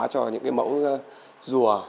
cho những mẫu rùa